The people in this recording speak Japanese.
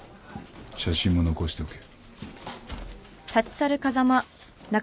写真も残しておけ。